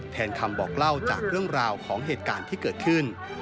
คำบอกเล่าจากเรื่องราวของเหตุการณ์ที่เกิดขึ้น